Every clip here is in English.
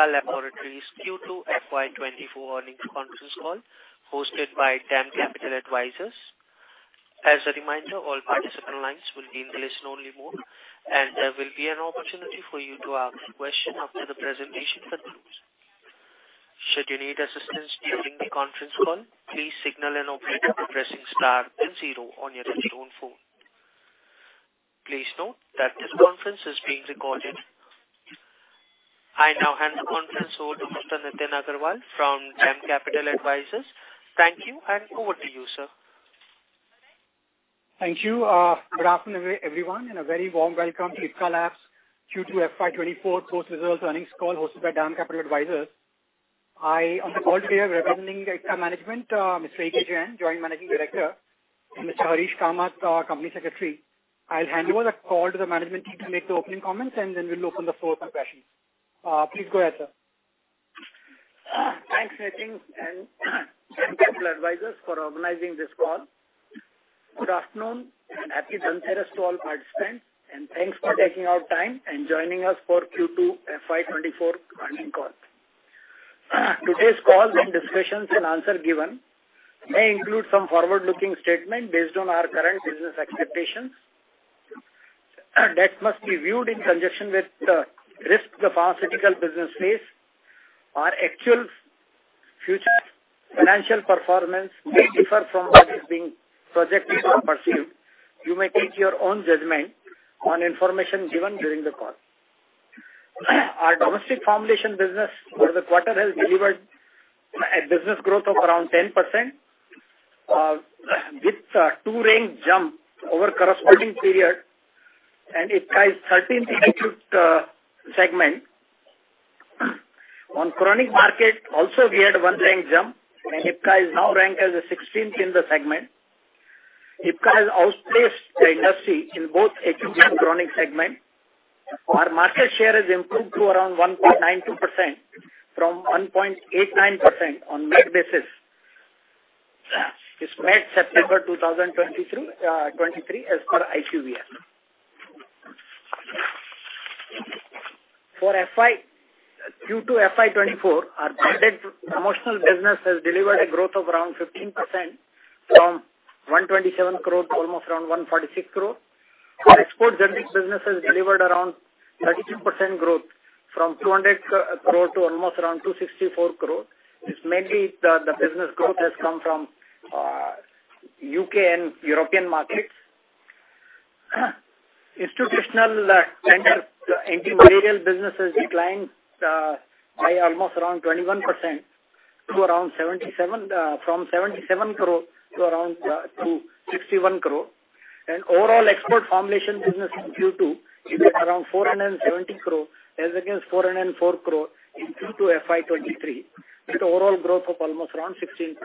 Welcome to Ipca Laboratories Q2 FY 2024 earnings conference call, hosted by DAM Capital Advisors. As a reminder, all participant lines will be in the listen-only mode, and there will be an opportunity for you to ask a question after the presentation concludes. Should you need assistance during the conference call, please signal an operator by pressing star then zero on your telephone phone. Please note that this conference is being recorded. I now hand the conference over to Mr. Nitin Agarwal from DAM Capital Advisors. Thank you, and over to you, sir. Thank you. Good afternoon, everyone, and a very warm welcome to Ipca Labs Q2 FY 2024 post-results earnings call hosted by DAM Capital Advisors. I, on the call today, we're welcoming Ipca management, Mr. A.K. Jain, Joint Managing Director, and Mr. Harish Kamath, Company Secretary. I'll hand over the call to the management team to make the opening comments, and then we'll open the floor for questions. Please go ahead, sir. Thanks, Nitin, and DAM Capital Advisors for organizing this call. Good afternoon, and Happy Dhanteras to all participants, and thanks for taking out time and joining us for Q2 FY24 earnings call. Today's call and discussions and answer given may include some forward-looking statement based on our current business expectations, that must be viewed in conjunction with the risk the pharmaceutical business face. Our actual future financial performance may differ from what is being projected or perceived. You may take your own judgment on information given during the call. Our domestic formulation business for the quarter has delivered a business growth of around 10%, with a two-rank jump over corresponding period, and IPCA is 13th in acute segment. On chronic market, also we had a one-rank jump, and IPCA is now ranked as a 16th in the segment. IPCA has outpaced the industry in both acute and chronic segment. Our market share has improved to around 1.92% from 1.89% on MAT basis. It's MAT September 2023, as per IQVIA. For FY... Q2 FY 2024, our branded promotional business has delivered a growth of around 15% from 127 crore, almost around 146 crore. Our export generic business has delivered around 32% growth from 200 crore to almost around 264 crore. This mainly, the business growth has come from UK and European markets. Institutional, tender, anti-malarial business has declined, by almost around 21% to around seventy-seven, from seventy-seven crore to around, to 61 crore. Overall export formulation business in Q2 is at around 470 crore, as against 404 crore in Q2 FY 2023, with overall growth of almost around 16%.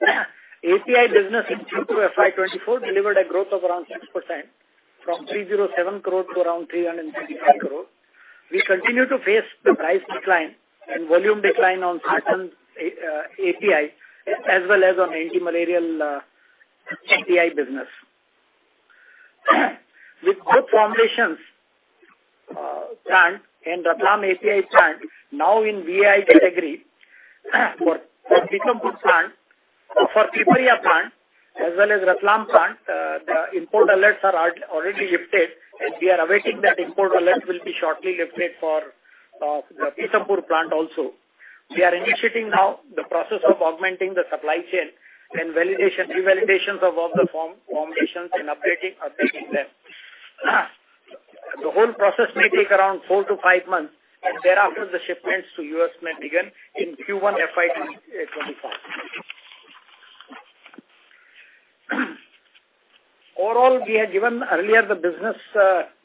API business in Q2 FY 2024 delivered a growth of around 6% from 307 crore to around 355 crore. We continue to face the price decline and volume decline on certain API, as well as on anti-malarial API business. With both formulations plant and Ratlam API plant, now in VAI category for Pithampur plant. For Pipariya plant, as well as Ratlam plant, the import alerts are already lifted, and we are awaiting that import alert will be shortly lifted for the Pithampur plant also. We are initiating now the process of augmenting the supply chain and validation, revalidations of all the formulations and updating them. The whole process may take around four to five months, and thereafter the shipments to U.S. may begin in Q1 FY 2024. Overall, we had given earlier the business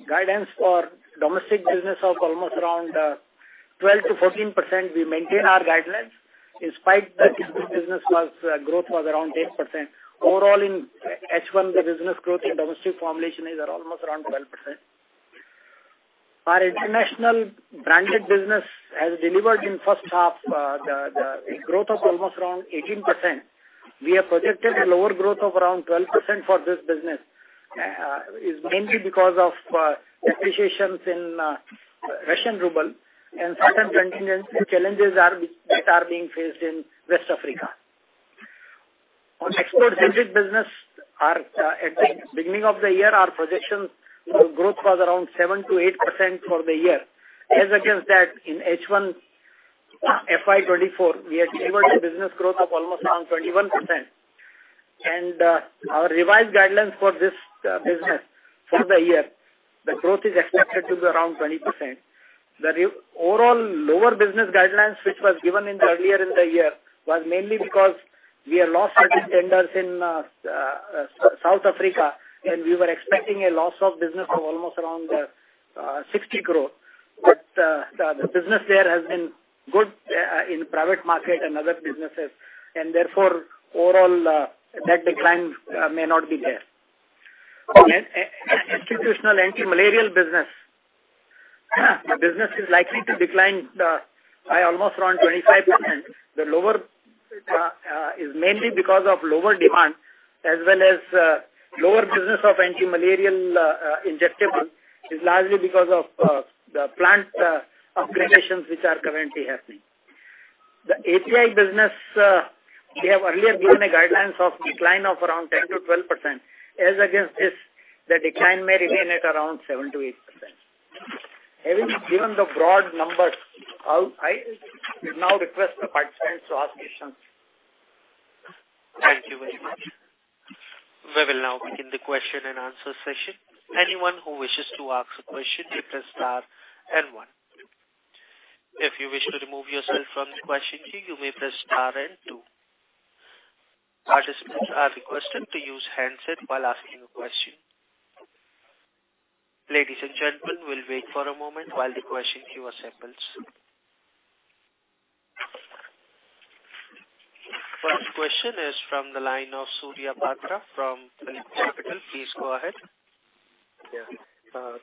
guidance for domestic business of almost around 12%-14%. We maintain our guidelines, despite that, business growth was around 8%. Overall, in H1, the business growth in domestic formulation is at almost around 12%. Our international branded business has delivered in first half a growth of almost around 18%. We have projected a lower growth of around 12% for this business is mainly because of depreciations in Russian ruble and certain contingent challenges that are being faced in West Africa. On export generic business, our at the beginning of the year, our projections, the growth was around 7%-8% for the year. As against that, in H1 FY 2024, we had delivered a business growth of almost around 21%. Our revised guidelines for this business for the year, the growth is expected to be around 20%. The overall lower business guidelines, which was given earlier in the year, was mainly because we have lost certain tenders in South Africa, and we were expecting a loss of business of almost around 60 crore. But the business there has been good in private market and other businesses, and therefore, overall, that decline may not be there. Institutional anti-malarial business. The business is likely to decline by almost around 25%. The lower business is mainly because of lower demand as well as lower business of antimalarial injectable is largely because of the plant upgradations which are currently happening. The API business, we have earlier given a guidelines of decline of around 10%-12%. As against this, the decline may remain at around 7%-8%. Having given the broad numbers, I'll now request the participants to ask questions. Thank you very much. We will now begin the question and answer session. Anyone who wishes to ask a question, you press star and one. If you wish to remove yourself from the question queue, you may press star and two. Participants are requested to use handset while asking a question. Ladies and gentlemen, we'll wait for a moment while the question queue assembles. First question is from the line of Surya Patra, from PhillipCapital. Please go ahead. Yeah.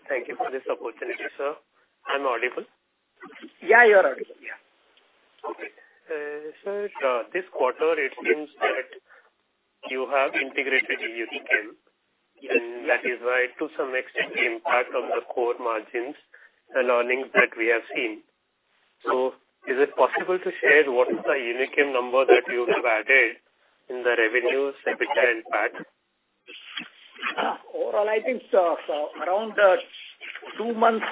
Thank you for this opportunity, sir. I'm audible? Yeah, you are audible. Yeah. Okay. So this quarter it seems that you have integrated Unichem, and that is why, to some extent, the impact on the core margins and earnings that we have seen. So is it possible to share what is the Unichem number that you have added in the revenues, EBITDA, and PAT? Overall, I think, so, so around two months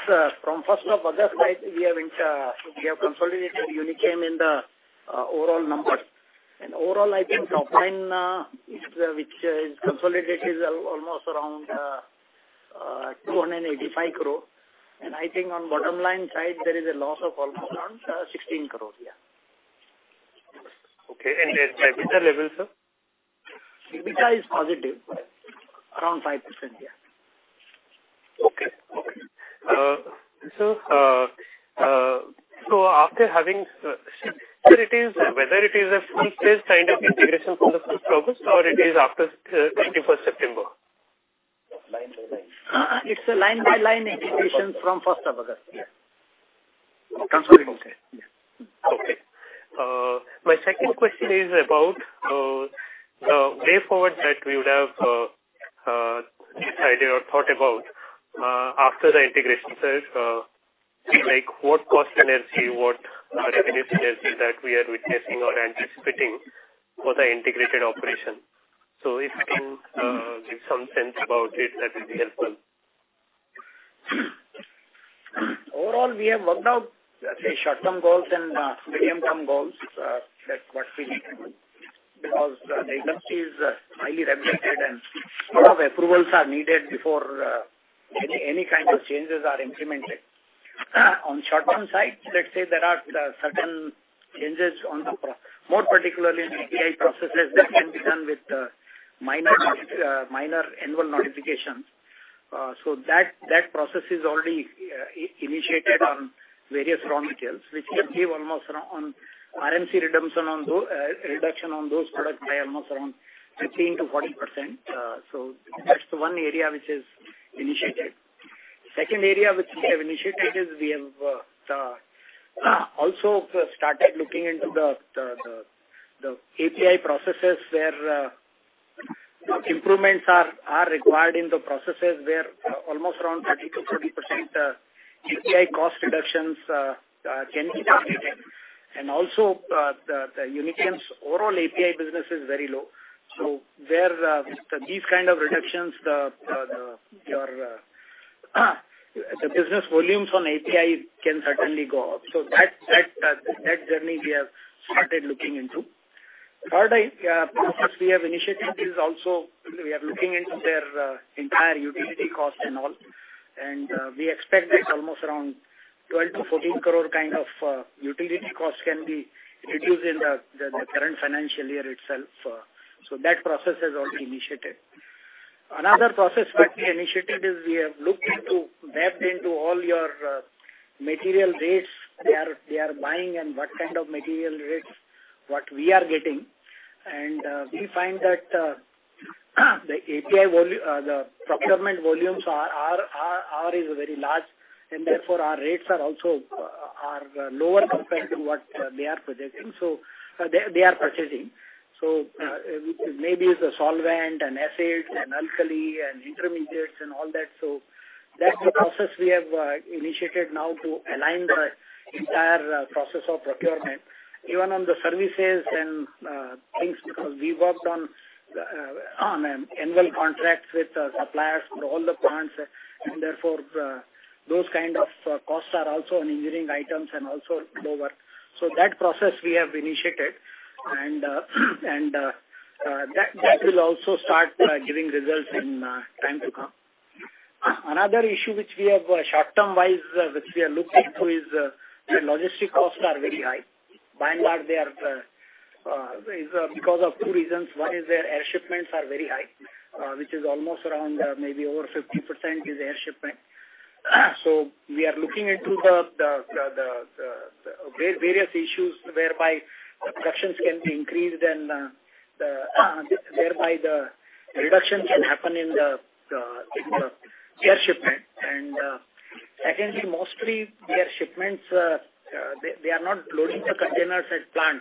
from first of August side, we have consolidated Unichem in the overall numbers. And overall, I think top line, which is consolidated, is almost around INR 285 crore. And I think on bottom line side, there is a loss of almost around 16 crore, yeah. Okay. The EBITDA level, sir? EBITDA is positive, around 5%, yeah. Okay. Okay. So, after having, sir, it is whether it is a full phase kind of integration from the 1st August or it is after 21st September? It's a line-by-line integration from 1st August, yeah. Okay. Okay. My second question is about the way forward that we would have decided or thought about after the integration, sir. Like, what cost energy, what revenue energy that we are witnessing or anticipating for the integrated operation? So if you give some sense about it, that would be helpful. Overall, we have worked out, let's say, short-term goals and medium-term goals that what we need. Because the agency is highly regulated, and lot of approvals are needed before any kind of changes are implemented. On short-term side, let's say there are certain changes. More particularly in API processes that can be done with minor annual notifications. So that process is already initiated on various raw materials, which can give almost around 15%-20% reduction on RMC on those products. So that's the one area which is initiated. Second area which we have initiated is we have also started looking into the API processes, where improvements are required in the processes, where almost around 30%-40% API cost reductions can be done again. And also, the Unichem's overall API business is very low. So where these kind of reductions, the business volumes on API can certainly go up. So that journey we have started looking into. Third process we have initiated is also we are looking into their entire utility cost and all. And we expect that almost around 12 crore-14 crore kind of utility costs can be reduced in the current financial year itself. So that process has already initiated. Another process that we initiated is we have looked into, tapped into all your, material rates. They are buying, and what kind of material rates, what we are getting. And, we find that, the procurement volumes are very large, and therefore, our rates are also lower compared to what they are projecting. So, they are purchasing. So, maybe it's a solvent, an acid, an alkali, and intermediates and all that. So that's the process we have initiated now to align the entire process of procurement, even on the services and things, because we worked on annual contracts with suppliers for all the plants. And therefore, those kind of costs are also on engineering items and also lower. So that process we have initiated, and that will also start giving results in time to come. Another issue which we have short-term wise, which we are looking into, is the logistics costs are very high. By and large, they are because of two reasons. One is their air shipments are very high, which is almost around maybe over 50% is air shipment. So we are looking into the various issues whereby productions can be increased and whereby the reduction can happen in the air shipment. And secondly, mostly their shipments, they are not loading the containers as planned.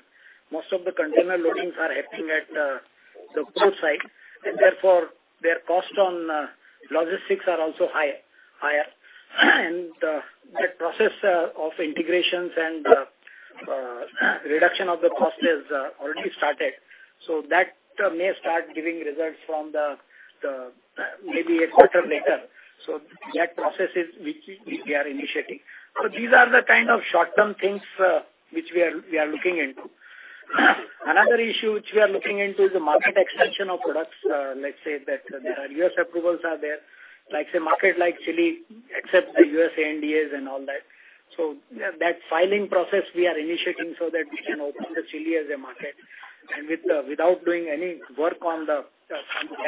Most of the container loadings are happening at the port site, and therefore, their cost on logistics are also higher. That process of integrations and reduction of the cost is already started. So that may start giving results from the maybe a quarter later. So that process is which we are initiating. So these are the kind of short-term things which we are looking into. Another issue which we are looking into is the market extension of products. Let's say that there are U.S. approvals are there, like, say, market like Chile, accept the U.S. ANDAs and all that. So that filing process we are initiating so that we can open Chile as a market and with, without doing any work on the,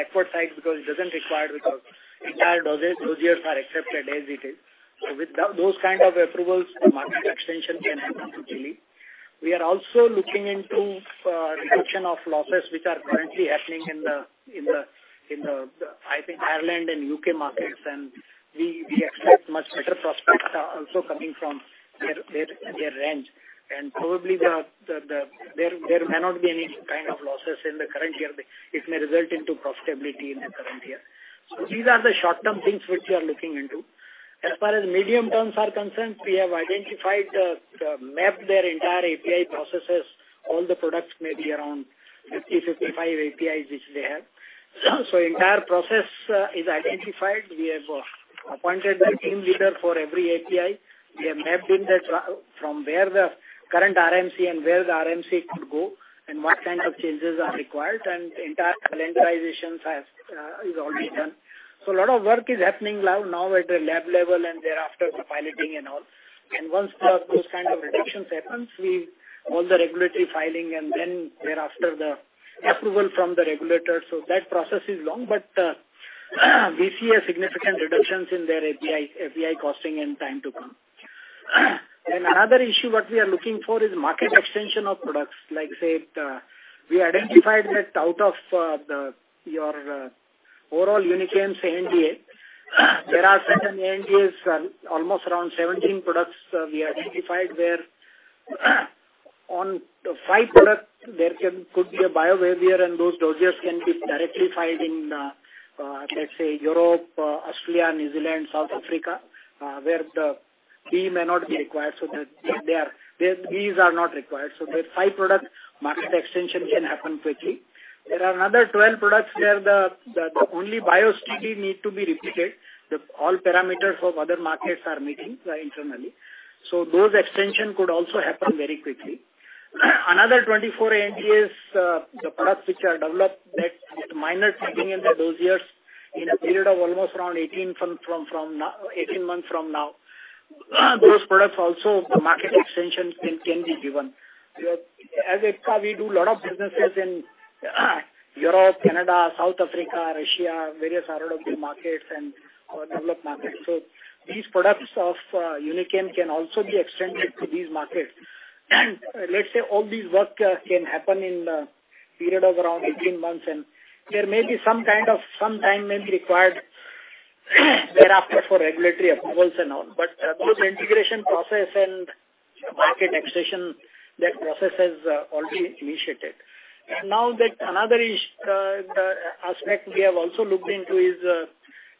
export side, because it doesn't require, because entire doses, dosages are accepted as it is. So with those kind of approvals, market extension can happen to Chile. We are also looking into reduction of losses which are currently happening in the, I think, Ireland and UK markets, and we expect much better prospects are also coming from their range. And probably there may not be any kind of losses in the current year. It may result into profitability in the current year. So these are the short-term things which we are looking into. As far as medium terms are concerned, we have identified, mapped their entire API processes. All the products may be around 50-55 APIs, which they have. So entire process is identified. We have appointed a team leader for every API. We have mapped the transfer from where the current RMC and where the RMC could go and what kind of changes are required, and entire standardization is already done. So a lot of work is happening now at the lab level, and thereafter the piloting and all. And once those kind of reductions happens, we all the regulatory filing and then thereafter, the approval from the regulator. So that process is long, but we see a significant reductions in their API costing and time to come. Then another issue, what we are looking for is market extension of products. Like, say, we identified that out of the, your overall Unichem's ANDA, there are certain ANDAs, almost around 17 products, we identified where, on the 5 products, there could be a bio waiver, and those dossiers can be directly filed in, let's say, Europe, Australia, New Zealand, South Africa, where the fee may not be required. So that they are, their fees are not required. So the 5 products, market extension can happen quickly. There are another 12 products where the, the, the only bio stability need to be repeated. The all parameters of other markets are meeting, internally. So those extension could also happen very quickly. Another 24 ANDAs, the products which are developed, that minor tweaking in the dossiers in a period of almost around 18 months from now, those products also, the market extension can be given. As Ipca, we do a lot of businesses in Europe, Canada, South Africa, Russia, various ROW markets and or developed markets. So these products of Unichem can also be extended to these markets. Let's say, all these work can happen in a period of around 18 months, and there may be some kind of some time may be required thereafter for regulatory approvals and all. But those integration process and market access, that process has already initiated. Now that another aspect we have also looked into is,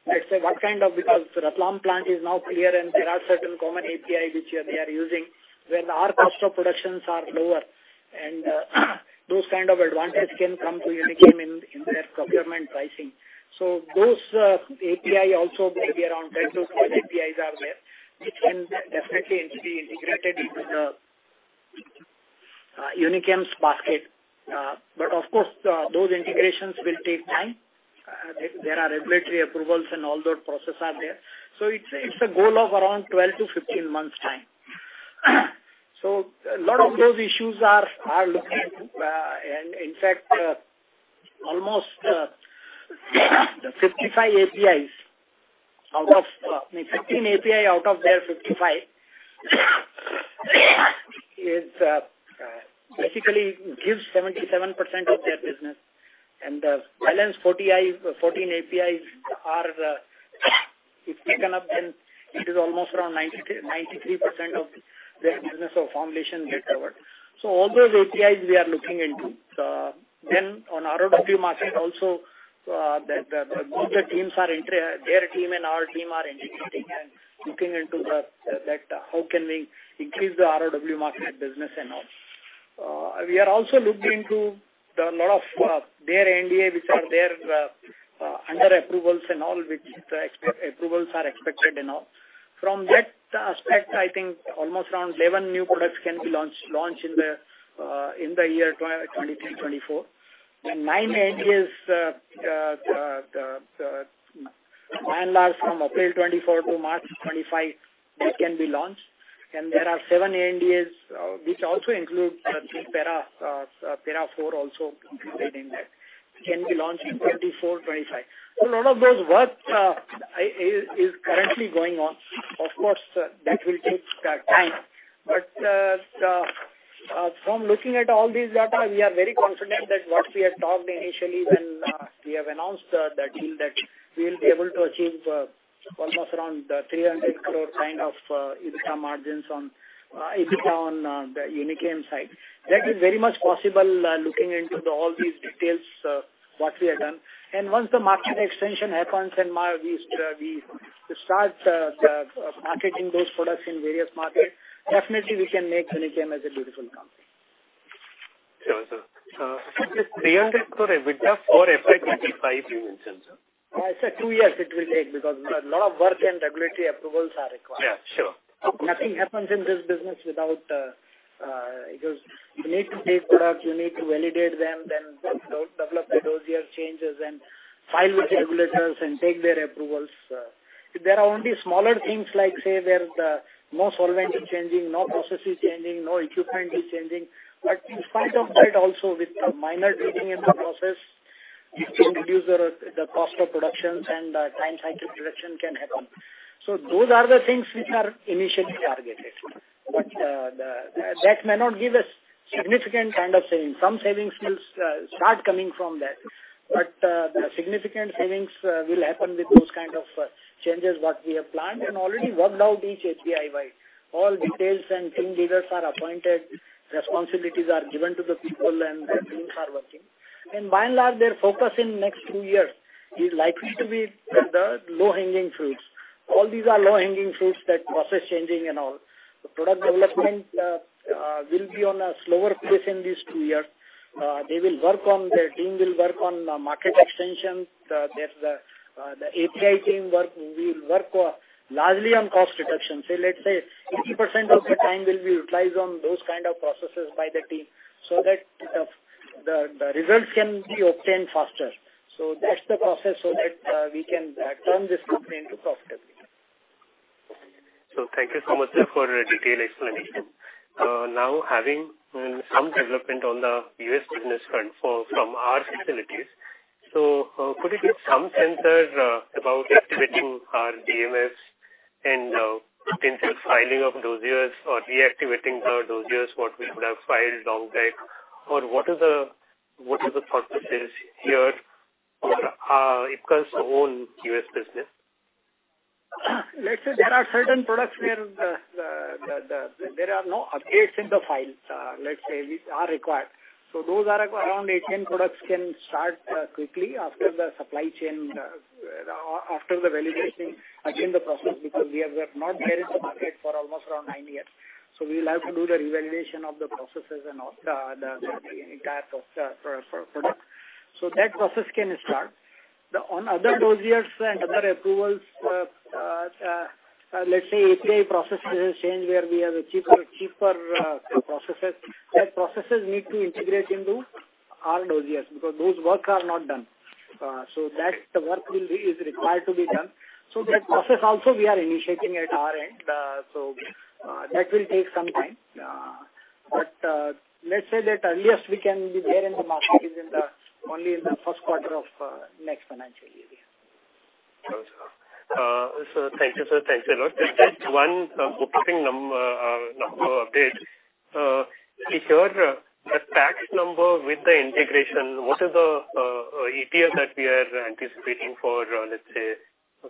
let's say, what kind of, because Ratlam plant is now clear, and there are certain common API which they are using, where our cost of productions are lower, and those kind of advantage can come to Unichem in their procurement pricing. So those API also maybe around 10-12 APIs are there, which can definitely be integrated into the Unichem's basket. But of course, those integrations will take time. There are regulatory approvals and all those processes are there. So it's a goal of around 12-15 months time. So a lot of those issues are looking, and in fact, almost 55 APIs out of 15 APIs out of their 55 basically gives 77% of their business. And the balance 40, i.e., 14 APIs are, if taken up, then it is almost around 93, 93% of their business or formulation get covered. So all those APIs we are looking into. Then on ROW market also, the both the teams are integrating and looking into that, how can we increase the ROW market business and all. We are also looking into a lot of their ANDA, which are their under approvals and all, which the approvals are expected and all. From that aspect, I think almost around 11 new products can be launched in the year 2023-2024. And nine ANDAs, the nine last from April 2024 to March 2025, they can be launched. And there are seven ANDAs, which also include three Para IV also included in that, can be launched in 2024-2025. So a lot of those works is currently going on. Of course, that will take time. But from looking at all these data, we are very confident that what we had talked initially when we announced the deal that we will be able to achieve almost around 300 crore kind of EBITDA margins on EBITDA on the Unichem side. That is very much possible, looking into all these details, what we have done. And once the market extension happens and we start marketing those products in various markets, definitely we can make Unichem as a beautiful company. Sure, sir. This 300 for EBITDA for FY 2025 you mentioned, sir? I said two years it will take, because a lot of work and regulatory approvals are required. Yeah, sure. Nothing happens in this business without, because you need to take products, you need to validate them, then develop the dossier changes and file with the regulators and take their approvals. There are only smaller things like, say, where no solvent is changing, no process is changing, no equipment is changing. But in spite of that, also with minor tweaking in the process, you can reduce the cost of production and time cycle production can happen. So those are the things which are initially targeted. But, that may not give us significant kind of savings. Some savings will start coming from that, but the significant savings will happen with those kind of changes what we have planned and already worked out each API wide. All details and team leaders are appointed, responsibilities are given to the people, and the teams are working. By and large, their focus in next two years is likely to be the low-hanging fruits. All these are low-hanging fruits, that process changing and all. The product development will be on a slower pace in these two years. The team will work on the market extension. The API team will work largely on cost reduction. So let's say 80% of the time will be utilized on those kind of processes by the team, so that the results can be obtained faster. So that's the process so that we can turn this company into profitable. So thank you so much, sir, for a detailed explanation. Now, having some development on the US business front from our facilities, so could you give some sense about activating our DMS and potential filing of dossiers or reactivating the dossiers, what we would have filed long back? Or what is the, what is the purpose here for Ipca's own US business? Let's say there are certain products where there are no updates in the filings, let's say, which are required. So those are around 18 products can start quickly after the supply chain after the validation, again, the process, because we have not been there in the market for almost around 9 years. So we will have to do the revalidation of the processes and all the entire process for product. So that process can start. On other dossiers and other approvals, let's say API processes change, where we have a cheaper processes. Those processes need to integrate into our dossiers, because those work are not done. So that the work will be, is required to be done. So that process also we are initiating at our end. That will take some time. Let's say the earliest we can be there in the market is only in the first quarter of next financial year. Thank you, sir. Thanks a lot. Just one focusing number update. Here, the tax number with the integration, what is the EPS that we are anticipating for, let's say,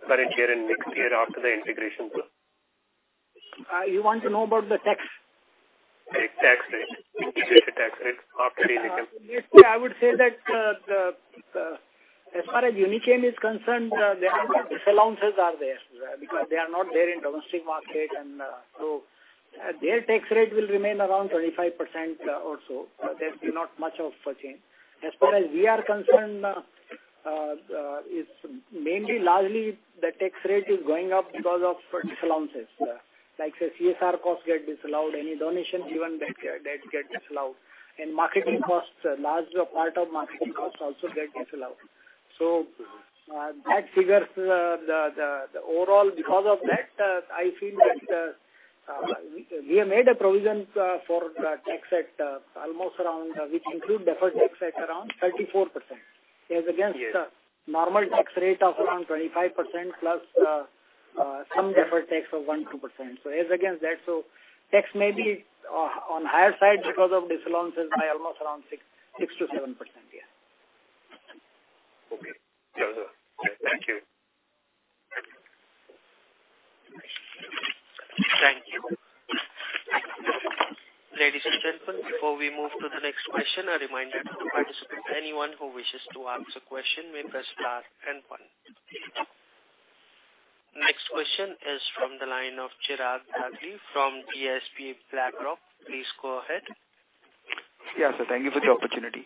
current year and next year after the integration, sir? You want to know about the tax? The tax rate, integrated tax rate after the integration. Basically, I would say that, as far as Unichem is concerned, the disallowances are there because they are not there in domestic market, and so their tax rate will remain around 25%, also. There's not much of a change. As far as we are concerned, is mainly, largely the tax rate is going up because of disallowances. Like, say, CSR costs get disallowed, any donations given that, that get disallowed. And marketing costs, large part of marketing costs also get disallowed. So, that figures, the overall because of that, I feel that, we have made a provision for the tax at almost around, which include deferred tax at around 34%, as against- Yes. The normal tax rate of around 25% plus some deferred tax of 1-2%. So as against that, tax may be on higher side because of disallowances by almost around 6%-7%, yeah. Okay. Thank you. Thank you. Ladies and gentlemen, before we move to the next question, a reminder to participants, anyone who wishes to ask a question, may press star then one. Next question is from the line of Chirag Dagli from DSP BlackRock. Please go ahead. Yeah, sir, thank you for the opportunity.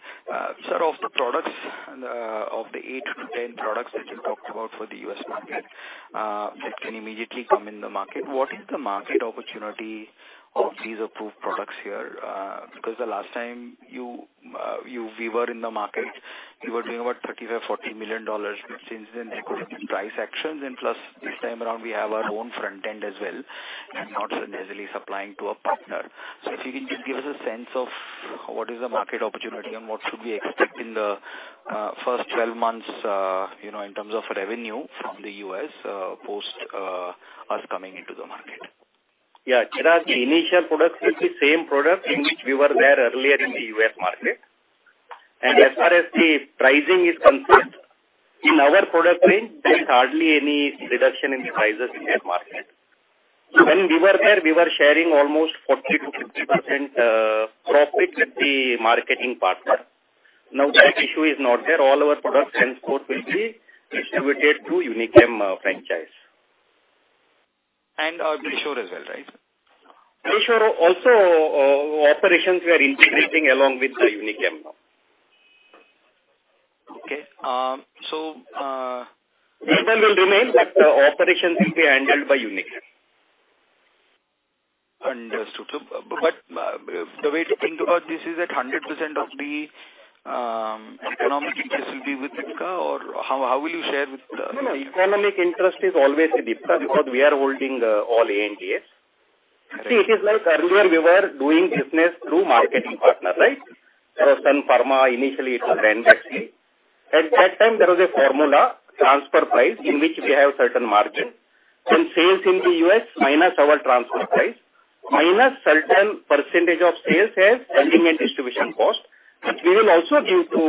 Sir, of the products, of the eight-10 products that you talked about for the US market, that can immediately come in the market, what is the market opportunity of these approved products here? Because the last time you, you, we were in the market, you were doing about $35 million-$40 million. Since then, there could be price actions, and plus, this time around, we have our own front end as well, and not so easily supplying to a partner. If you can just give us a sense of what is the market opportunity and what should we expect in the first 12 months, you know, in terms of revenue from the US, post us coming into the market? Yeah, Chirag, the initial product will be same product in which we were there earlier in the U.S. market. And as far as the pricing is concerned, in our product range, there is hardly any reduction in the prices in that market. When we were there, we were sharing almost 40%-50% profit with the marketing partner. Now, that issue is not there. All our products and port will be distributed to Unichem franchise. Bayshore as well, right? Business also, operations we are integrating along with the Unichem now. Okay. So. We then will remain, but the operations will be handled by Unichem. Understood. So, but, the way to think about this is that 100% of the economic interest will be with Ipca, or how will you share with, the- No, no, economic interest is always with Ipca, because we are holding, all ANDAs. See, it is like earlier we were doing business through marketing partner, right? So Sun Pharma, initially it was Ranbaxy. At that time, there was a formula, transfer price, in which we have certain margin. And sales in the U.S., minus our transfer price, minus certain percentage of sales as handling and distribution cost, which we will also give to,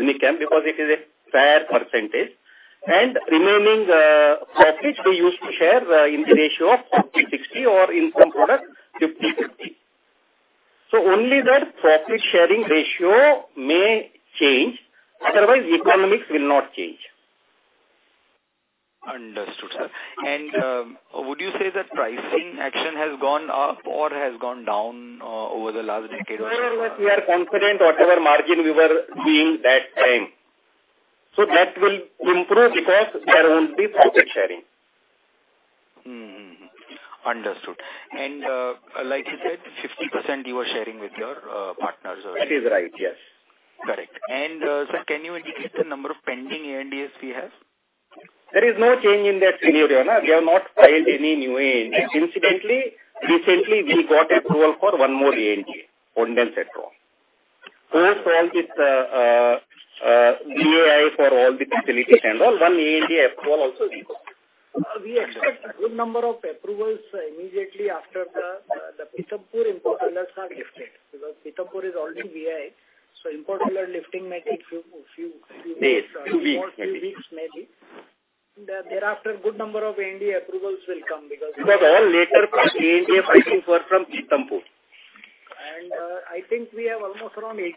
Unichem, because it is a higher percentage. And remaining, profit, we used to share, in the ratio of 40/60, or in some product, 50/50. So only that profit sharing ratio may change, otherwise economics will not change. Understood, sir. And, would you say that pricing action has gone up or has gone down, over the last decade or so? However, we are confident whatever margin we were doing that time. So that will improve because there won't be profit sharing. Mm-hmm. Understood. And, like you said, 50% you are sharing with your, partners as well. That is right, yes. Correct. Sir, can you indicate the number of pending ANDAs we have? There is no change in that scenario. We have not filed any new ANDAs. Incidentally, recently, we got approval for one more ANDA, Ondansetron. Those all with VAI for all the facilities and all, one ANDA approval also we got. We expect a good number of approvals immediately after the Pithampur import alert is lifted, because Pithampur is already VAI. So import alert lifting might take a few. Days, few weeks. Few weeks, maybe. Thereafter, a good number of ANDA approvals will come because. These are all later ANDA filings were from Pithampur. I think we have almost around 18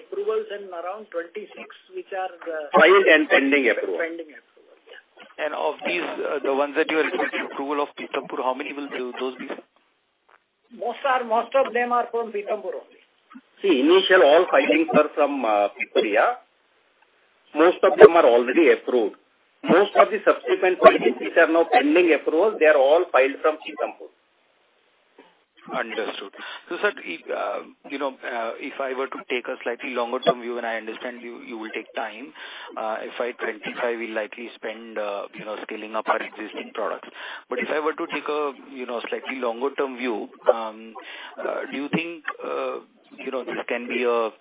approvals and around 26, which are. Filed and pending approval. Pending approval, yeah. Of these, the ones that you are reporting approval of Pithampur, how many will those be, sir? Most are, most of them are from Pithampur. See, initial all filings are from Pithampur. Most of them are already approved. Most of the subsequent filings which are now pending approval, they are all filed from Pithampur. Understood. So, sir, you know, if I were to take a slightly longer term view, and I understand you, you will take time, FY 2025 will likely spend, you know, scaling up our existing products. But if I were to take a, you know, slightly longer term view, do you think, you know, this can be a, a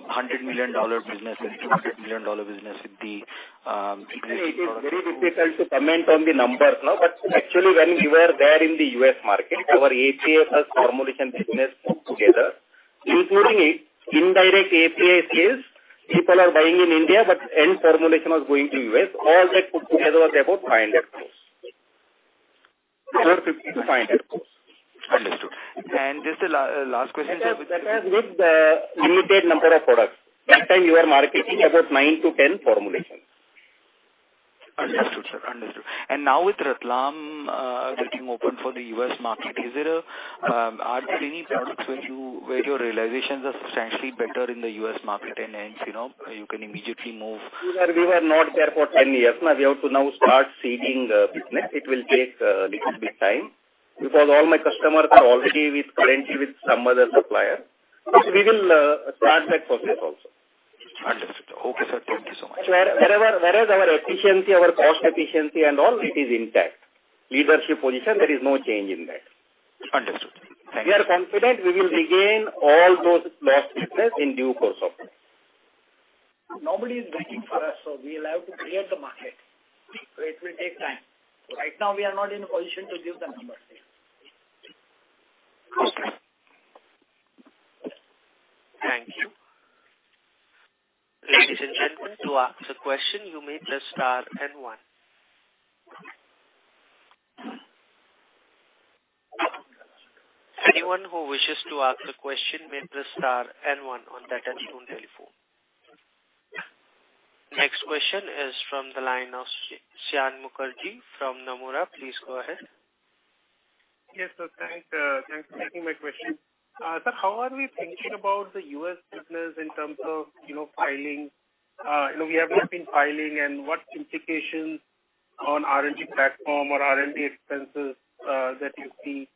$100 million business or $200 million business with the, business. It is very difficult to comment on the numbers now, but actually, when we were there in the U.S. market, our API plus formulation business put together, including it, indirect API sales, people are buying in India, but end formulation was going to U.S., all that put together was about 500 crore. 450 crore-500 crore. Understood. And just a last question, sir. That was with the limited number of products. That time we were marketing about nine-10 formulations. Understood, sir. Understood. And now with Ratlam getting open for the US market, are there any products where your realizations are substantially better in the US market and hence, you know, you can immediately move? We were not there for 10 years. Now, we have to now start seeking business. It will take little bit time, because all my customers are already with, currently with some other supplier. So we will start that process also. Understood. Okay, sir. Thank you so much. Whereas our efficiency, our cost efficiency and all, it is intact. Leadership position, there is no change in that. Understood. Thank you. We are confident we will regain all those lost business in due course of time. Nobody is waiting for us, so we will have to create the market. So it will take time. Right now, we are not in a position to give the numbers. Thank you. Ladies and gentlemen, to ask a question, you may press star and one. Anyone who wishes to ask a question, may press star and one on their touchtone telephone. Next question is from the line of Saion Mukherjee from Nomura. Please go ahead. Yes, sir. Thanks, thanks for taking my question. Sir, how are we thinking about the US business in terms of, you know, filing? You know, we have been filing and what implications on R&D platform or R&D expenses, that you see,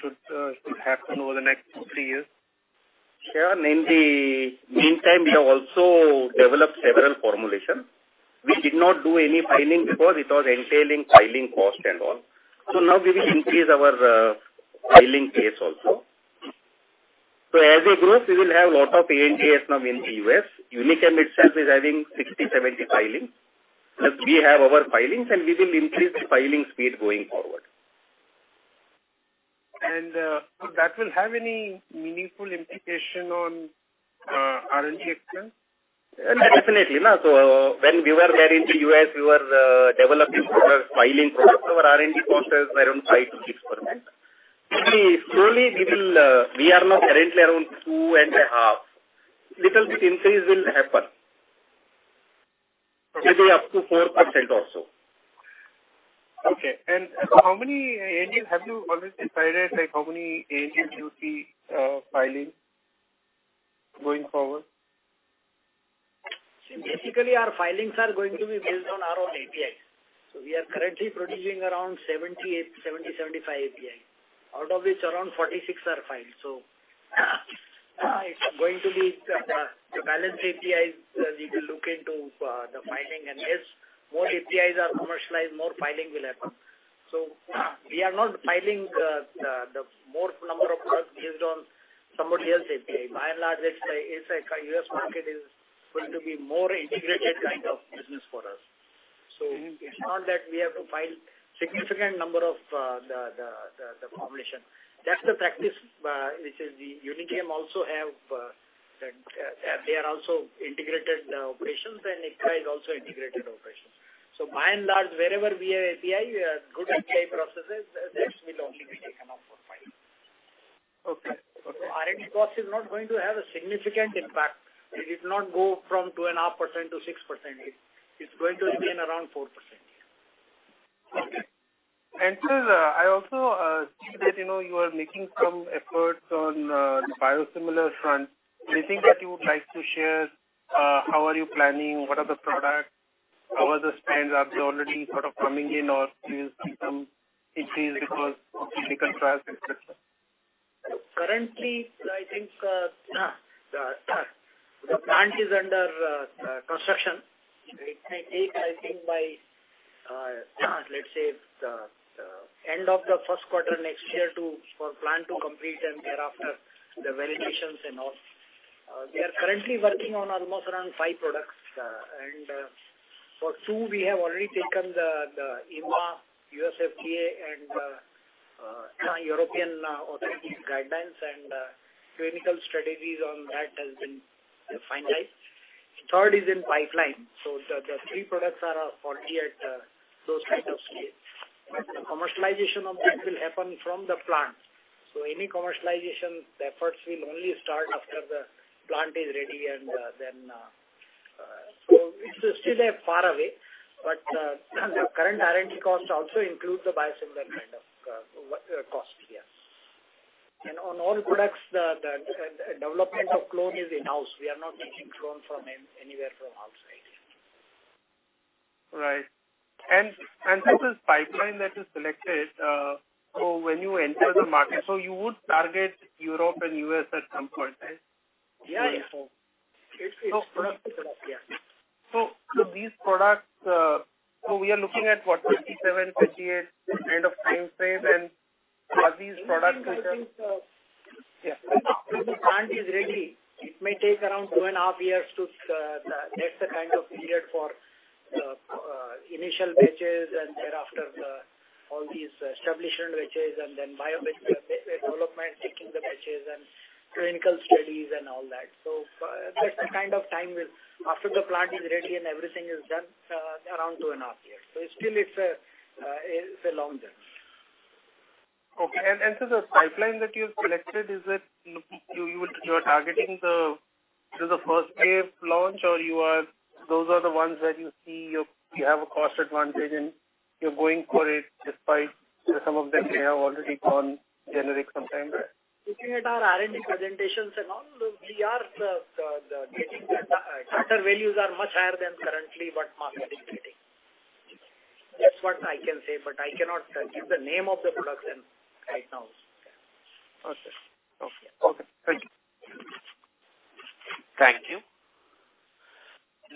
should, should happen over the next three years? Sure. In the meantime, we have also developed several formulations. We did not do any filing because it was entailing filing cost and all. So now we will increase our filing case also. So as we grow, we will have a lot of ANDAs now in the U.S. Unichem itself is having 60-70 filings. Plus we have our filings, and we will increase the filing speed going forward. That will have any meaningful implication on R&D expense? Definitely, no. So when we were there in the U.S., we were developing our filing products. Our R&D costs were around 5%-6%. Slowly, we will, we are now currently around 2.5%. Little bit increase will happen. Okay. Maybe up to 4% also. Okay. And how many ANDAs have you already decided, like, how many ANDAs you see filing going forward? See, basically, our filings are going to be based on our own APIs. So we are currently producing around 70-75 APIs, out of which around 46 are filed. So it's going to be the balance APIs we will look into the filing. And yes, more APIs are commercialized, more filing will happen. So we are not filing the more number of products based on somebody else's API. By and large, it's like, it's like US market is going to be more integrated kind of business for us. Mm-hmm. So on that, we have to file significant number of the formulation. That's the practice, which is the Unichem also have, they are also integrated operations, and Ipca's also integrated operations. So by and large, wherever we have API, good API processes, that will only be taken up for filing. Okay. R&D cost is not going to have a significant impact. It did not go from 2.5%-6%. It's going to remain around 4%. Okay. And sir, I also see that, you know, you are making some efforts on biosimilar front. Anything that you would like to share, how are you planning? What are the products? How are the spends? Are they already sort of coming in or will some increase because of clinical trials, et cetera? Currently, I think, the plant is under construction. It may take, I think, by, let's say, the end of the first quarter next year to for the plant to complete and thereafter, the validations and all. We are currently working on almost around five products, and for two, we have already taken the EMA, U.S. FDA and European authorities guidelines, and clinical strategies on that has been finalized. Third is in pipeline. So the three products are all for here at those kind of scale. But the commercialization of this will happen from the plant. So any commercialization efforts will only start after the plant is ready, and then. So it's still a far away, but the current R&D cost also includes the biosimilar kind of cost, yes. On all products, the development of clone is in-house. We are not taking clone from anywhere from outside. Right. And this is pipeline that is selected, so when you enter the market, so you would target Europe and U.S. at some point in time? Yeah. Yeah. It's. So. Yeah. So these products, we are looking at what, 57, 58 kind of time frame, and are these products which are. Yeah. After the plant is ready, it may take around two and a half years to, that's the kind of period for, initial batches, and thereafter, the all these establishment batches, and then bioequivalent, development, taking the batches and clinical studies and all that. So, that kind of time will, after the plant is ready and everything is done, around two and a half years. So still it's a, it's a long journey. Okay. So the pipeline that you've selected, is it you are targeting to the first wave launch, or you are... Those are the ones that you see you have a cost advantage and you're going for it, despite some of them they have already gone generic sometime? Looking at our R&D presentations and all, we are getting the data values are much higher than currently, what market is getting. That's what I can say, but I cannot give the name of the product then right now. Okay. Okay. Okay, thank you. Thank you.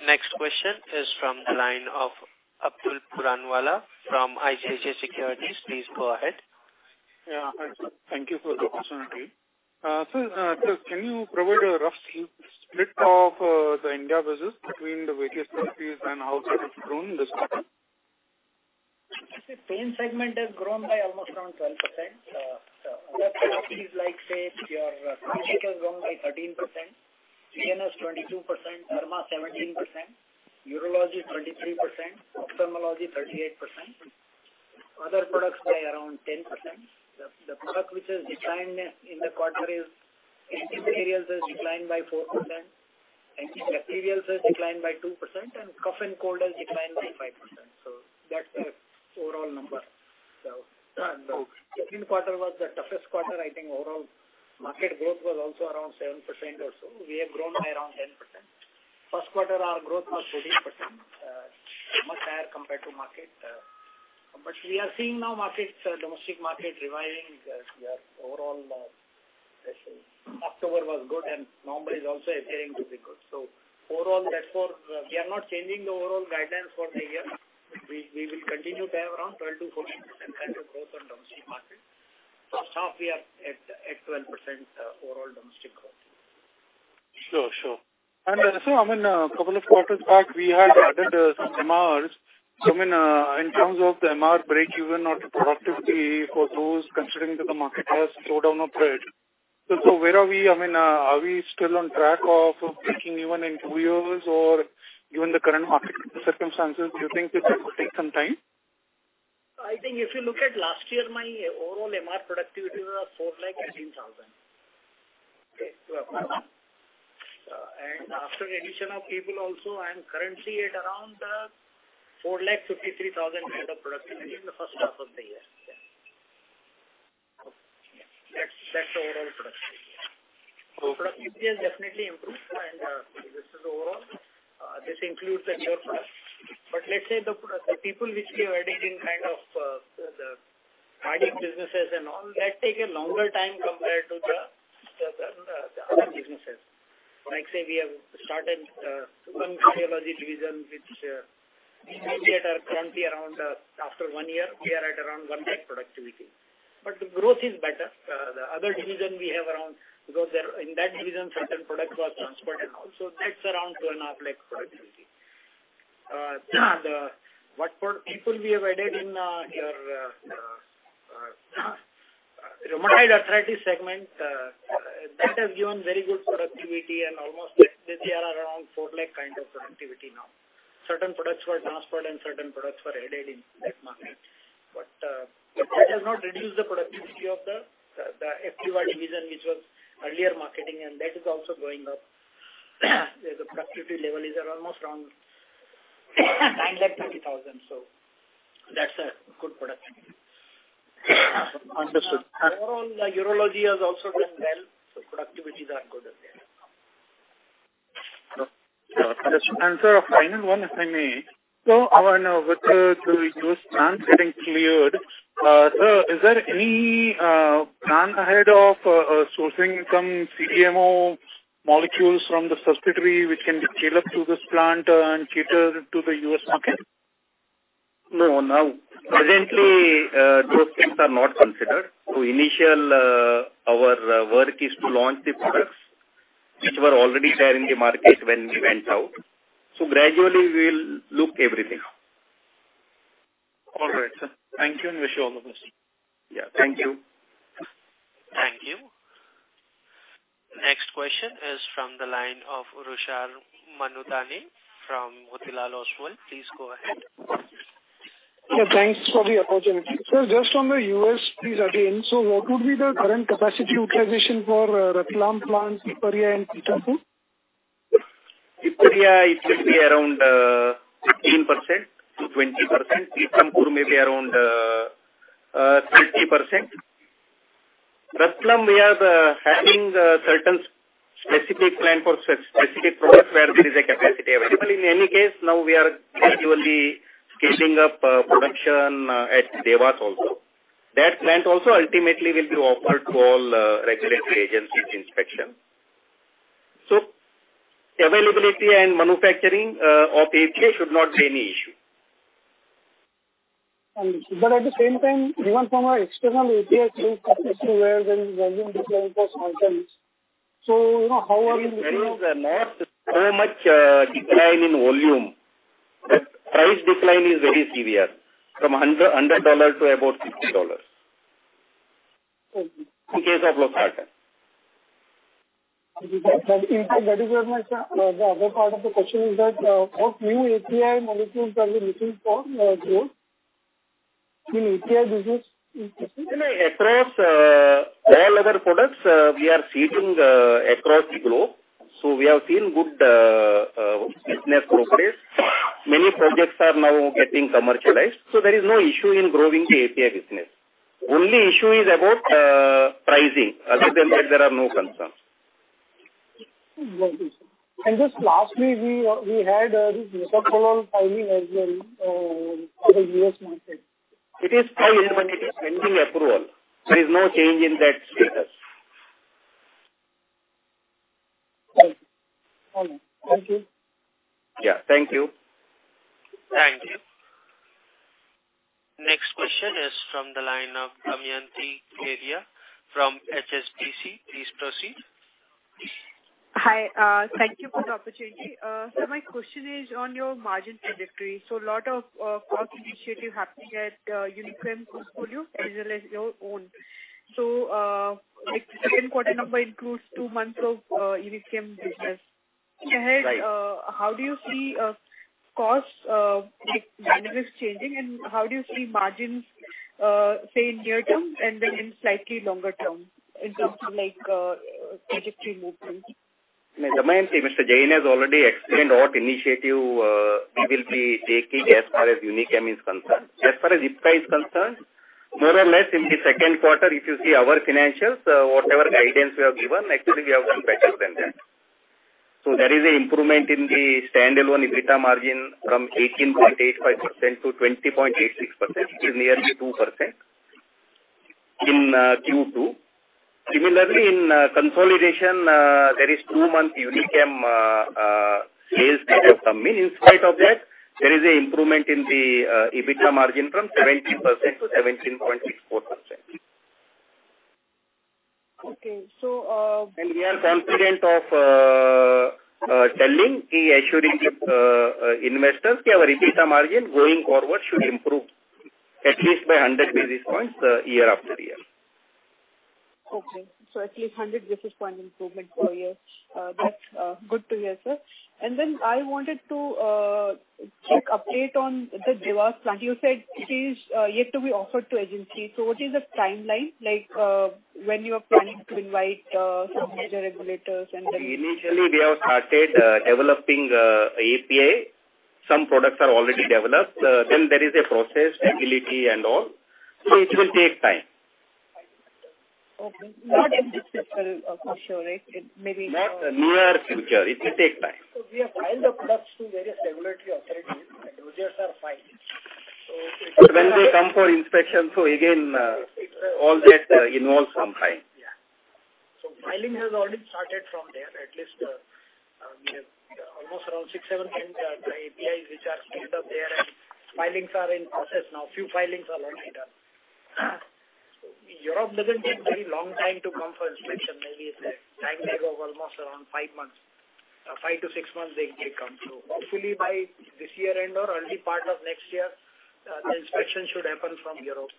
Next question is from the line of Abdul Puranwala from ICICI Securities. Please go ahead. Yeah. Thank you for the opportunity. So, can you provide a rough split of the India business between the various therapies and how it has grown this quarter? The pain segment has grown by almost around 12%. Like, say, your has grown by 13%, CNS, 22%, Derma, 17%, Urology, 23%, Ophthalmology, 38%. Other products by around 10%. The product which has declined in the quarter is materials has declined by 4%, Antibacterials has declined by 2%, and cough and cold has declined by 5%. That's the overall number. The second quarter was the toughest quarter. I think overall market growth was also around 7% or so. We have grown by around 10%. First quarter, our growth was 13%... compared to market. We are seeing now markets, domestic market reviving the overall, let's say. October was good, and November is also appearing to be good. Overall, therefore, we are not changing the overall guidance for the year. We will continue to have around 12%-14% growth on domestic market. Half year at 12% overall domestic growth. Sure, sure. So, I mean, a couple of quarters back, we had added some MRs. So I mean, in terms of the MR breakeven or productivity for those considering that the market has slowed down a bit. So where are we? I mean, are we still on track of breaking even in two years, or given the current market circumstances, do you think this will take some time? I think if you look at last year, my overall MR productivity was 418,000. Okay. And after the addition of people also, I'm currently at around 453,000 kind of productivity in the first half of the year. Yeah. That's, that's the overall productivity. Productivity has definitely improved, and this is overall. This includes. But let's say the people which we have added in kind of the cardiac businesses and all, that take a longer time compared to the other businesses. Like, say, we have started cardiology division, which initially are currently around, after one year, we are at around 100,000 productivity. But the growth is better. The other division we have around, because there, in that division, certain products were transferred and also that's around 2.5 lakh productivity. The workforce people we have added in your rheumatoid arthritis segment, that has given very good productivity and almost they are around 4 lakh kind of productivity now. Certain products were transferred and certain products were added in that market. But that has not reduced the productivity of the FQR division, which was earlier marketing, and that is also going up. The productivity level is at almost around 9.2 lakh. So that's a good production. Understood. Overall, the urology has also done well, so productivity are good as well. Sir, a final one, if I may. So I want to know with the US plant getting cleared, sir, is there any plan ahead of sourcing some CDMO molecules from the subsidiary which can be scaled up to this plant and cater to the US market? No, now, presently, those things are not considered. So initial, our work is to launch the products which were already there in the market when we went out. So gradually we will look everything. All right, sir. Thank you, and wish you all the best. Yeah. Thank you. Thank you. Next question is from the line of Tushar Manudhane from Motilal Oswal. Please go ahead. Yeah, thanks for the opportunity. Just on the US, please, again, so what would be the current capacity utilization for Ratlam plant, Pipariya, and Titapur? Pithampur, it should be around 15%-20%. Titapur may be around 30%. Ratlam, we are having certain specific plan for specific products where there is a capacity available. In any case, now we are gradually scaling up production at Dewas also. That plant also ultimately will be offered to all regulatory agencies inspection. So availability and manufacturing of API should not be any issue. Understood. But at the same time, even from our external API source, where the volume decline for some items. So you know, how are you- There is not so much decline in volume. The price decline is very severe, from under $1 to about $50. Thank you. In case of Lopinavir. In fact, that is where my, the other part of the question is that, what new API molecules are you looking for, growth in API business? No, no, across all other products, we are seeding across the globe. So we have seen good business progress. Many projects are now getting commercialized, so there is no issue in growing the API business. Only issue is about pricing. Other than that, there are no concerns. And just lastly, we had metoprolol filing as well for the U.S. market. It is filed, but it is pending approval. There is no change in that status. Thank you. All right. Thank you. Yeah. Thank you. Thank you. Next question is from the line of Damayanti Kerai from HSBC. Please proceed. Hi, thank you for the opportunity. So my question is on your margin trajectory. So a lot of cost initiative happening at Unichem portfolio as well as your own. So, like, the second quarter number includes two months of Unichem business. Ahead, how do you see costs, like, dynamics changing, and how do you see margins, say, in near term and then in slightly longer term, in terms of, like, trajectory movement? Damayanti, Mr. Jain has already explained what initiative we will be taking as far as Unichem is concerned. As far as Ipca is concerned, more or less in the second quarter, if you see our financials, whatever guidance we have given, actually, we have done better than that. So there is an improvement in the standalone EBITDA margin from 18.85% to 20.86%, nearly 2% in Q2. Similarly, in consolidation, there is two-month Unichem sales that have come in. In spite of that, there is an improvement in the EBITDA margin from 17%-17.64%. Okay. So. We are confident of telling the assuring investors that our EBITDA margin going forward should improve at least by 100 basis points, year after year. Okay. So at least 100 basis point improvement per year. That's good to hear, sir. And then I wanted to check update on the Dewas plant. You said it is yet to be offered to agency. So what is the timeline like when you are planning to invite some major regulators and then. Initially, we have started developing API. Some products are already developed. Then there is a process, stability, and all. So it will take time. Okay. Not in this fiscal, for sure, right? It maybe. Not near future. It will take time. So we have filed the products to various regulatory authorities, and users are fine. So. When they come for inspection, so again, all that involves some time. Yeah. So filing has already started from there. At least, we have almost around six, seven APIs which are standard there, and filings are in process now. Few filings are already done. Europe doesn't take very long time to come for inspection. Maybe it's a time lag of almost around five months. Five to six months, they, they come through. Hopefully, by this year end or early part of next year, the inspection should happen from Europe.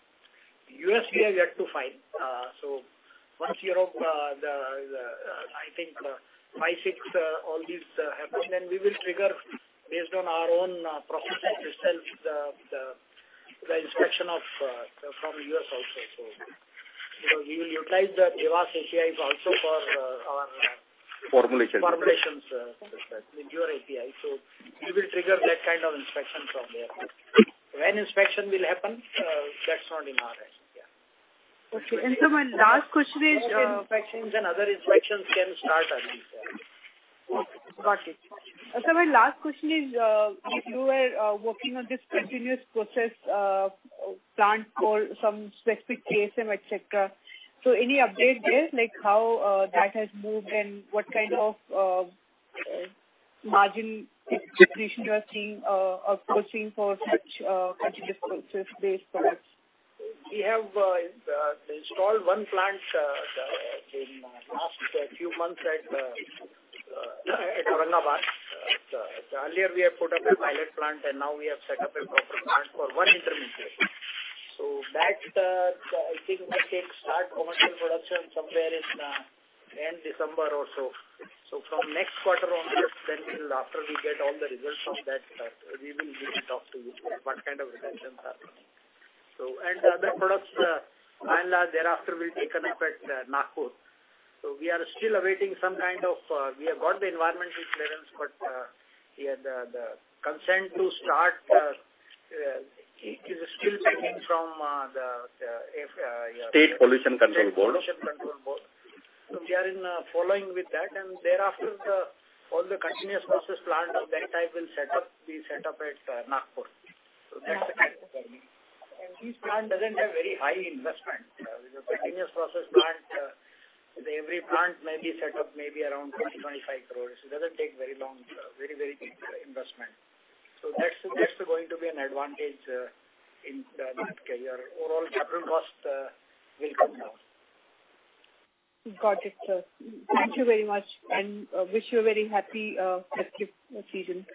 US, we are yet to file. So once Europe, the, the, I think, five, six, all these, happen, then we will trigger based on our own, processes itself, the, the, the inspection of, from US also. So, you know, we will utilize the Dewas APIs also for, our, uh. Formulation. Formulations with your API. So we will trigger that kind of inspection from there. When inspection will happen, that's not in our hands. Yeah. Okay. So my last question is. Those inspections and other inspections can start, I think. Got it. So my last question is, if you were working on this continuous process plant for some specific KSM, et cetera. So any update there, like how that has moved and what kind of margin expectation you are seeing approaching for such continuous process-based products? We have installed one plant in last few months at Aurangabad. So earlier we have put up a pilot plant, and now we have set up a proper plant for one intermediate. So that I think that can start commercial production somewhere in end December or so. So from next quarter onwards, then after we get all the results from that, we will talk to you what kind of reductions are there. So and the other products nine months thereafter will take an effect, Nagpur. So we are still awaiting some kind of, we have got the environmental clearance, but yeah, the consent to start is still pending from the if. State Pollution Control Board. State Pollution Control Board. So we are in, following with that, and thereafter, the, all the continuous process plant of that type will set up, be set up at, Nagpur. So that's the kind of planning. And each plant doesn't have very high investment. The continuous process plant, every plant may be set up maybe around 20-25 crore. It doesn't take very long, very, very deep, investment. So that's, that's going to be an advantage, in the Nagpur. Your overall capital cost, will come down. Got it, sir. Thank you very much, and wish you a very happy, festive season.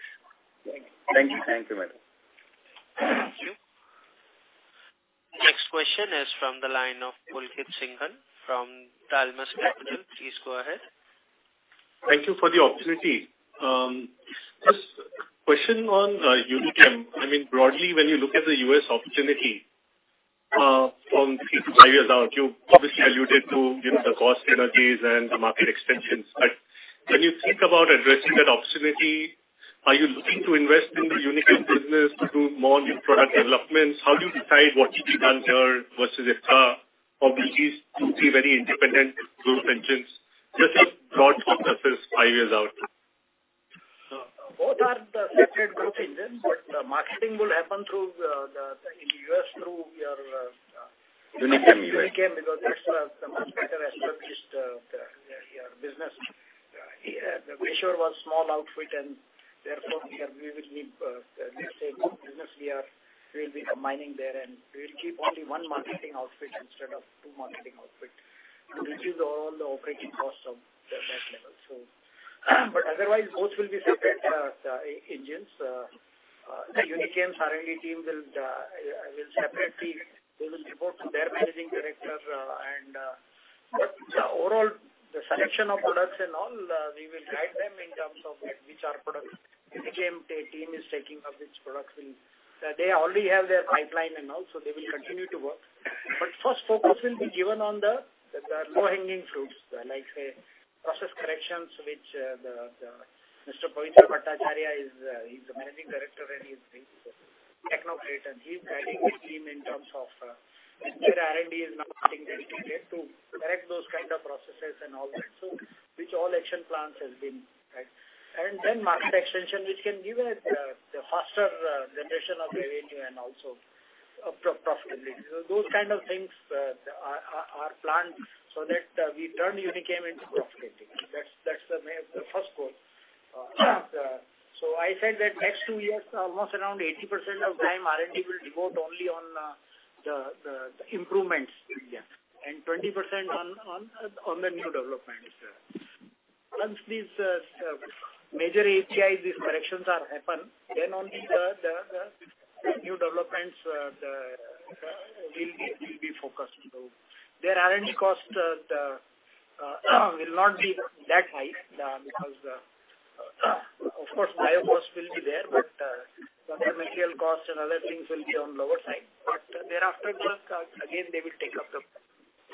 Thank you. Thank you. Thank you, madam. Thank you. Next question is from the line of Pulkit Singhal from Dalmus Capital. Please go ahead. Thank you for the opportunity. Just question on Unichem. I mean, broadly, when you look at the U.S. opportunity, from three to five years out, you obviously alluded to, you know, the cost synergies and the market extensions. But when you think about addressing that opportunity, are you looking to invest in the Unichem business to do more new product developments? How do you decide what should be done here versus, or these two be very independent growth engines? Just a broad thought process, five years out. Both are the separate growth engines, but the marketing will happen through, the, in U.S., through your. Unichem. Unichem, because that's the much better established, your business. The other was small outfit, and therefore, we are, we will need, let's say, good business we are- we will be combining there, and we will keep only one marketing outfit instead of two marketing outfit, to reduce all the operating costs of the, that level. So, but otherwise, both will be separate, engines. The Unichem R&D team will, will separately, they will report to their managing director, and, but the overall, the selection of products and all, we will guide them in terms of like which are products. Unichem team is taking up which products will... They already have their pipeline and all, so they will continue to work. But first focus will be given on the low-hanging fruits, like, say, process corrections, which the Mr. Pabitra K. Bhattacharyya is, he's the managing director, and he's doing this technocrat, and he's guiding the team in terms of, R&D is now getting dedicated to correct those kind of processes and all that. So which all action plans has been, right? And then market extension, which can give a faster generation of revenue and also profitability. So those kind of things are planned so that we turn Unichem into profitability. That's the main, the first goal. So I said that next two years, almost around 80% of time, R&D will devote only on the improvements area, and 20% on the new developments. Once these major API corrections are happen, then only the new developments will be focused. So their R&D costs will not be that high because of course bio costs will be there, but material costs and other things will be on lower side. But thereafter work again they will take up the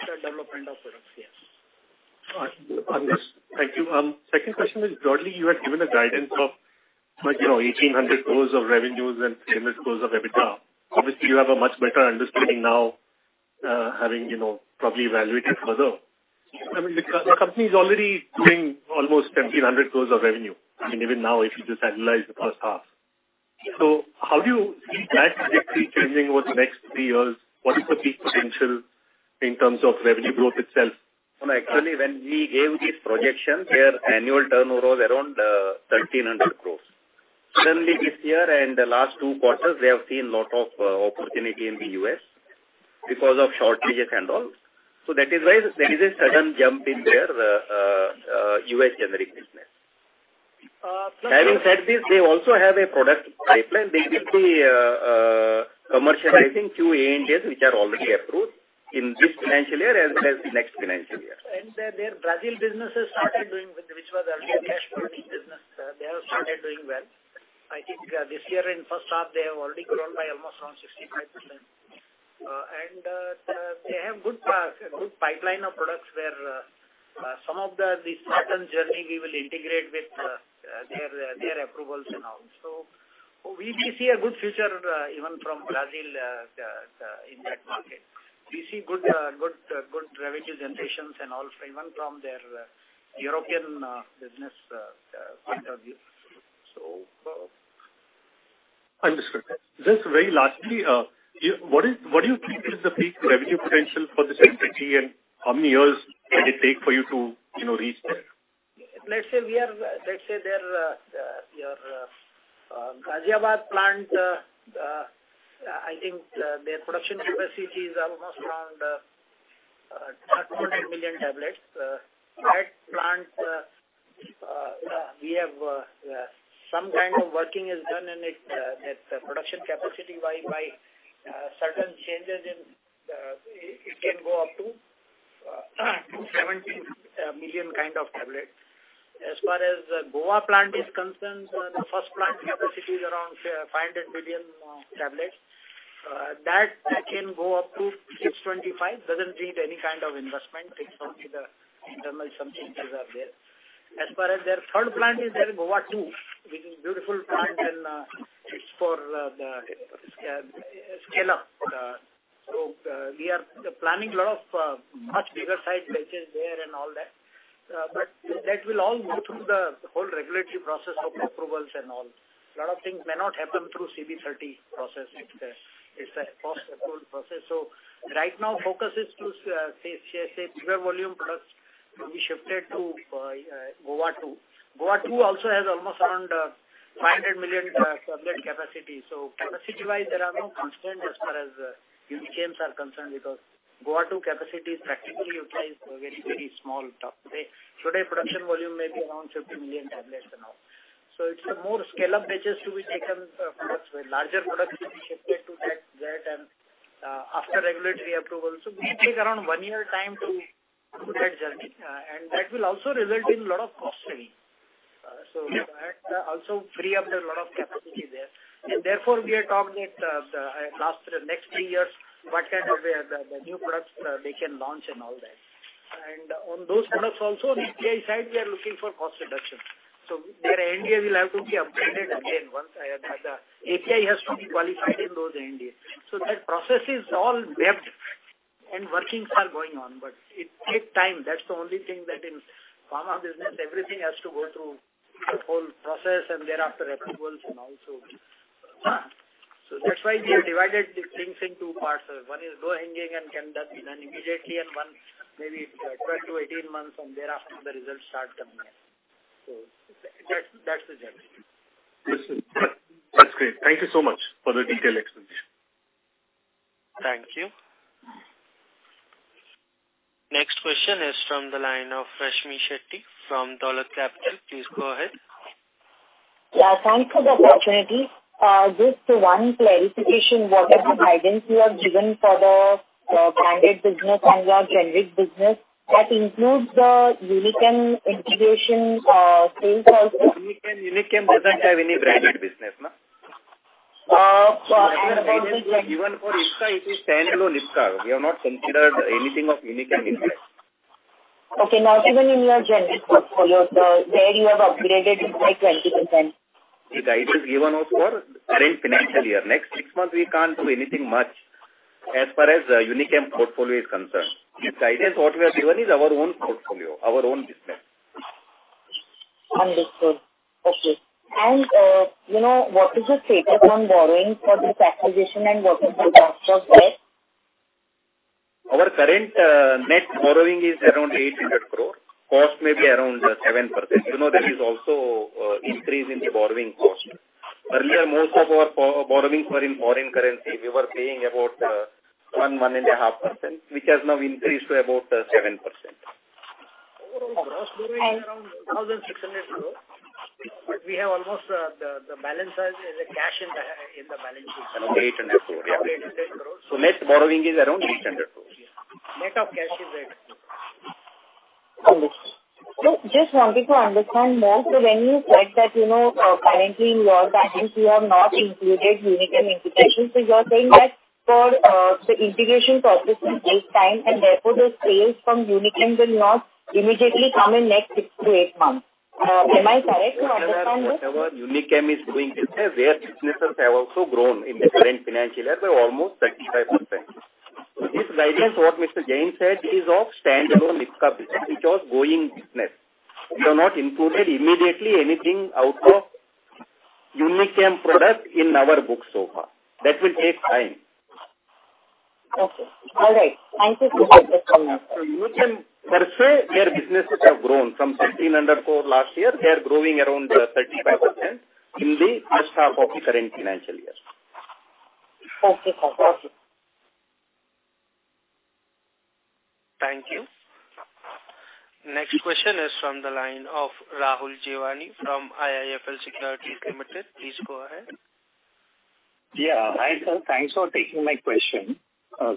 development of products. Yes. Understood. Thank you. Second question is, broadly, you had given a guidance of, like, you know, 1,800 crore of revenues and similar crore of EBITDA. Obviously, you have a much better understanding now, having, you know, probably evaluated further. I mean, the company is already doing almost 1,700 crore of revenue, I mean, even now, if you just analyze the first half. So how do you see that trajectory changing over the next three years? What is the peak potential in terms of revenue growth itself? No, actually, when we gave this projection, their annual turnover was around 1,300 crore. Suddenly, this year and the last two quarters, we have seen a lot of opportunity in the US because of shortages and all. So that is why there is a sudden jump in their US generic business. Having said this, they also have a product pipeline. They will be commercializing two ANDAs, which are already approved in this financial year as well as the next financial year. Their Brazil business has started doing good, which was earlier their business. They have started doing well. I think this year in first half, they have already grown by almost around 65%. They have good pipeline of products where some of the, this certain journey we will integrate with their approvals and all. So we see a good future even from Brazil in that market. We see good revenue generations and all, even from their European business point of view. So. Understood. Just very lastly, you, what is, what do you think is the peak revenue potential for this entity, and how many years will it take for you to, you know, reach there? Let's say we are, let's say their, your, Ghaziabad plant, I think, their production capacity is almost around 300 million tablets. That plant, we have, some kind of working is done, and it, it, production capacity by certain changes in it, it can go up to 70 million kind of tablets. As far as the Goa plant is concerned, the first plant capacity is around 500 million tablets. That can go up to 625. Doesn't need any kind of investment. It's only the internal some changes are there. As far as their third plant is there, Goa 2, which is beautiful plant, and, it's for the scale up. So, we are planning a lot of much bigger size batches there and all that. But that will all go through the whole regulatory process of approvals and all. A lot of things may not happen through CDMO process. It's a cross-approval process. So right now, focus is to say volume products will be shifted to Goa 2. Goa 2 also has almost around 500 million tablet capacity. So capacity-wise, there are no constraints as far as Unichem are concerned, because Goa 2 capacity is practically utilized for a very, very small top. Today, production volume may be around 50 million tablets now. So it's more scale-up batches to be taken, products, larger products to be shifted to that, and after regulatory approval. So it will take around one year time to do that journey, and that will also result in a lot of cost saving. So. Yeah. that also free up a lot of capacity there. And therefore, we are talking that, the, last, the next three years, what kind of, new products, they can launch and all that. And on those products also, on the API side, we are looking for cost reduction. So their NDA will have to be updated again once I have the... API has to be qualified in those NDA. So that process is all vetted and workings are going on, but it take time. That's the only thing that in pharma business, everything has to go through the whole process and thereafter approvals and all, so. So that's why we have divided the things in two parts. One is ongoing and can be done, you know, immediately, and one maybe 12-18 months, and thereafter the results start coming in. That's, that's the journey. Listen, that's great. Thank you so much for the detailed explanation. Thank you. Next question is from the line of Rashmi Shetty from Dolat Capital. Please go ahead. Yeah, thanks for the opportunity. Just one clarification, what are the guidance you have given for the branded business and the generic business that includes the Unichem integration, sales also? Unichem, Unichem doesn't have any branded business, no? Uh, so. Even for Ipca, it is Standalone Niskar. We have not considered anything of Unichem in that. Okay, now even in your general portfolio, so there you have upgraded by 20%. The guidance given was for current financial year. Next six months, we can't do anything much as far as, Unichem portfolio is concerned. The guidance what we have given is our own portfolio, our own business. Understood. Okay. And, you know, what is the status on borrowing for this acquisition, and what is the cost of that? Our current net borrowing is around 800 crore. Cost may be around 7%. You know, there is also increase in the borrowing cost. Earlier, most of our borrowing were in foreign currency. We were paying about 1%-1.5%, which has now increased to about 7%. Okay. Overall, gross borrowing is around INR 1,600 crore, but we have almost the balance as in the balance sheet. Around 800 crore, yeah. 800 crore. Net borrowing is around 800 crore. Net of cash is 800 crore. Understood. So just wanted to understand more, so when you said that, you know, currently in your balance you have not included Unichem integration, so you're saying that for the integration process will take time, and therefore, the sales from Unichem will not immediately come in next six to eight months. Am I correct to understand this? Whatever Unichem is doing business, their businesses have also grown in the current financial year by almost 35%. This guidance, what Mr. Jain said, is of standalone Ipca business, which was growing business. We have not included immediately anything out of Unichem product in our books so far. That will take time. Okay. All right. Thank you for that explanation. Unichem, per se, their businesses have grown from 1,300 crore last year. They are growing around 35% in the first half of the current financial year. Okay, sir. Thank you. Thank you. Next question is from the line of Rahul Jeewani from IIFL Securities Limited. Please go ahead. Yeah. Hi, sir. Thanks for taking my question.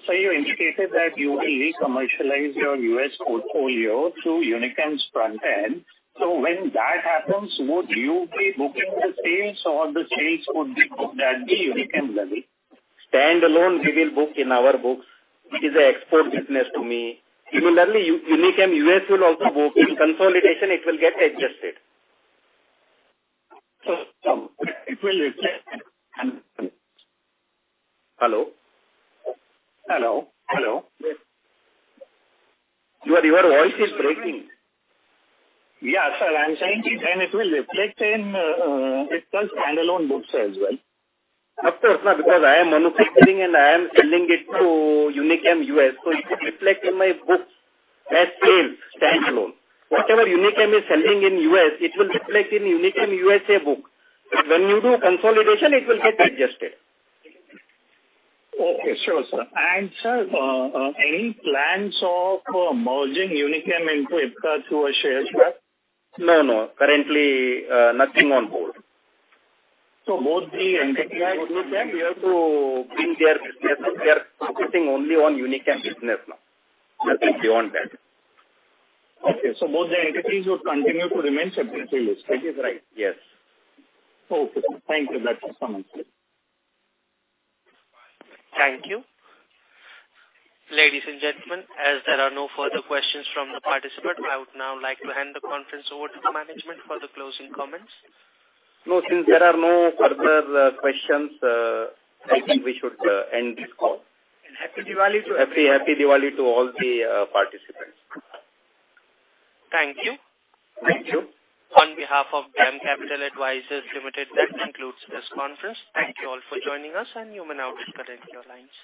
So you indicated that you will re-commercialize your US portfolio through Unichem's front end. So when that happens, would you be booking the sales or the sales would be booked at the Unichem level? Standalone, we will book in our books. It is an export business to me. Similarly, Unichem US will also book. In consolidation, it will get adjusted. It will reflect. Hello? Hello, hello. Your voice is breaking. Yeah, sir, I'm saying it, and it will reflect in it's called standalone books as well. Of course, now, because I am manufacturing and I am selling it to Unichem US, so it would reflect in my books as sales standalone. Whatever Unichem is selling in US, it will reflect in Unichem US's book. When you do consolidation, it will get adjusted. Okay. Sure, sir. And sir, any plans of merging Unichem into Ipca through a share swap? No, no. Currently, nothing on board. So both the entities, we have to bring their businesses. They are focusing only on Unichem business now, if you want that. Okay. So both the entities would continue to remain separately? That is right, yes. Okay, thank you. That's just something. Thank you. Ladies and gentlemen, as there are no further questions from the participant, I would now like to hand the conference over to the management for the closing comments. No, since there are no further questions, I think we should end this call. Happy Diwali to everyone. Happy, happy Diwali to all the participants. Thank you. Thank you. On behalf of DAM Capital Advisors Limited, that concludes this conference. Thank you all for joining us, and you may now disconnect your lines.